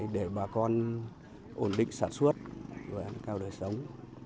để bà con ổn định sản xuất và nâng cao đời sống